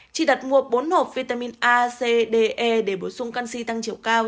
chị đặt mua bốn hộp vitamin a c d e để bổ sung canxi tăng chiều cao